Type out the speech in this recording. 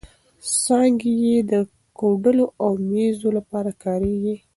څانګې یې د کوډلو او مېزو لپاره کارېږي.